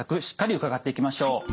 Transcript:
しっかり伺っていきましょう。